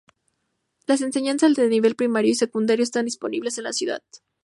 La enseñanza de nivel primario y secundario están disponibles en la ciudad.